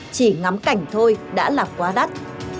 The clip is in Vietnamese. chỉ ngắm cảnh thôi đã là quá đáng